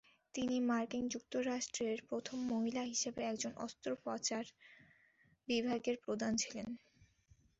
তিনি মার্কিন যুক্তরাষ্ট্রের প্রথম মহিলা হিসাবে একজন অস্ত্রোপচার বিভাগের প্রধান ছিলেন।